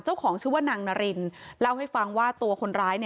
เจ้าของชื่อว่านางนารินเล่าให้ฟังว่าตัวคนร้าย